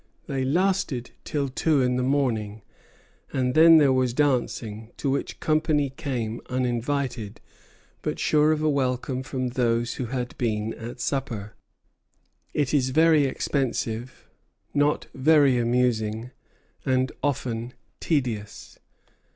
They lasted till two in the morning; and then there was dancing, to which company came uninvited, but sure of a welcome from those who had been at supper. It is very expensive, not very amusing, and often tedious.